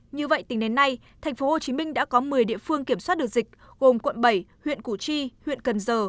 như vậy tính đến nay tp hcm đã có một mươi địa phương kiểm soát được dịch gồm quận bảy huyện củ chi huyện cần giờ